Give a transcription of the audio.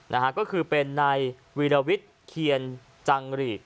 นะฮะก็คือเป็นนายวีรวิทย์เคียนจังหรี่